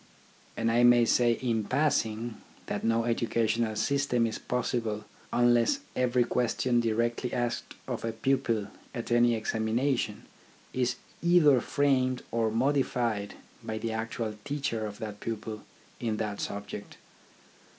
And I may say in passing that no educational system is possible unless every question directly asked of a pupil at any examination is either framed or modified by the actual teacher of that pupil in that subject.